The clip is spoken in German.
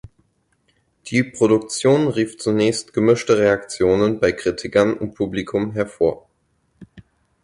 Die Produktion rief zunächst gemischte Reaktionen bei Kritikern und Publikum hervor.